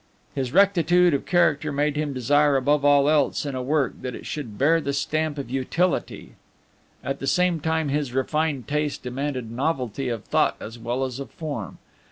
His rectitude of character made him desire above all else in a work that it should bear the stamp of utility; at the same time, his refined taste demanded novelty of thought as well as of form.